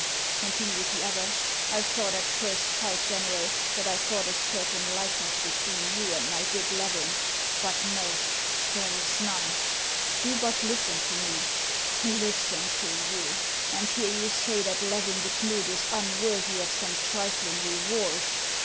" continued the other ;" I thought at first sight, General, that I caught a certain likeness between you and my good Levin ; but no ! there is none." " Do but listen to me — "Listen to you ! and hear you say that Levin de Knud is unworthy of some trilling reward